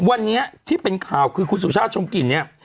วันนี้ที่เป็นข่าวคือคุณสุชาติชมกลิ่นเนี่ย